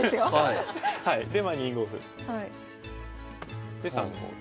でまあ２五歩。で３五歩。